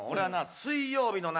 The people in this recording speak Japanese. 水曜日のな